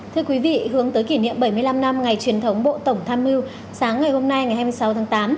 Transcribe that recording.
thưa quý vị hướng tới kỷ niệm bảy mươi năm năm ngày truyền thống bộ tổng tham mưu sáng ngày hôm nay ngày hai mươi sáu tháng tám